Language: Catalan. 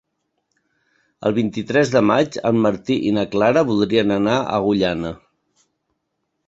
El vint-i-tres de maig en Martí i na Clara voldrien anar a Agullana.